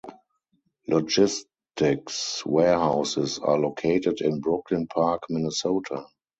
Logistics warehouses are located in Brooklyn Park, Minnesota.